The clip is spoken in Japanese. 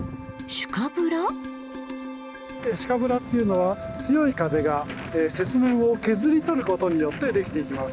シュカブラっていうのは強い風が雪面を削り取ることによってできていきます。